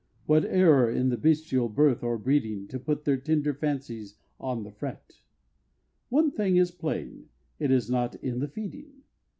What error in the bestial birth or breeding, To put their tender fancies on the fret? One thing is plain it is not in the feeding!